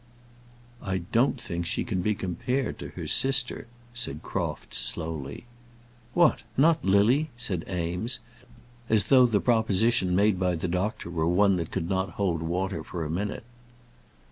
"I don't think she can be compared to her sister," said Crofts slowly. "What; not Lily?" said Eames, as though the proposition made by the doctor were one that could not hold water for a minute.